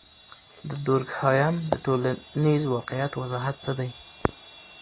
د دورکهايم د ټولنیز واقعیت وضاحت څه دی؟